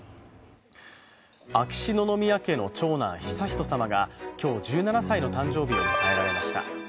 秋篠宮家の長男・悠仁さまが今日１７歳の誕生日を迎えられました。